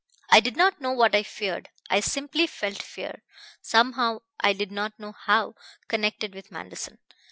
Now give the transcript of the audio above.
I did not know what I feared. I simply felt fear, somehow I did not know how connected with Manderson.